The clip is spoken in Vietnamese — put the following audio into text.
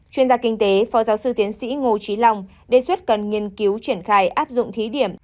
chuyên gia kinh tế phó giáo sư tiến sĩ ngô trí long đề xuất cần nghiên cứu triển khai áp dụng thí điểm